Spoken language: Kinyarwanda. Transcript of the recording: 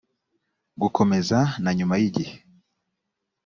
gukomeza na nyuma y’igihe